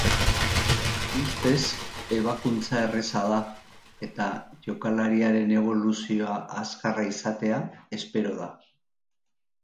Ustez, ebakuntza erraza da, eta jokalariaren eboluzioa azkarra izatea espero da.